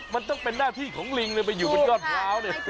มันต้องเป็นหน้าที่ของลิงเลยไปอยู่บนยอดพร้าวเนี่ย